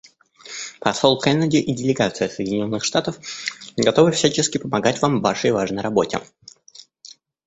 Посол Кеннеди и делегация Соединенных Штатов готовы всячески помогать Вам в Вашей важной работе.